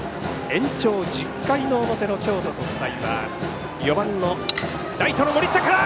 延長１０回の表の京都国際は４番のライトの森下から。